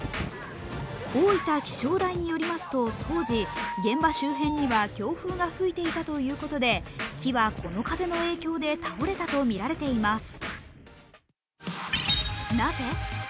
大分気象台によりますと、当時、現場周辺には強風が吹いていたということで、木はこの風の影響で倒れたとみられています。